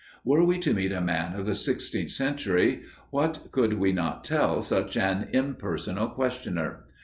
Were we to meet a man of the Sixteenth Century, what could we not tell such an impersonal questioner!